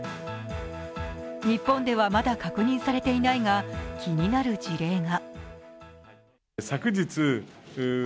日本ではまだ確認されていないが気になる事例が。